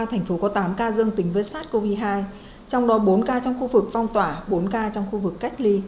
thành phố có tám ca dương tính với sars cov hai trong đó bốn ca trong khu vực phong tỏa bốn ca trong khu vực cách ly